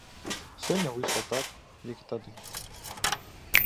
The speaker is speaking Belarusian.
Сёння выйшла так, як і тады.